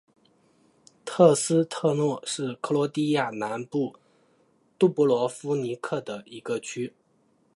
特斯特诺是克罗地亚南部杜布罗夫尼克的一个区。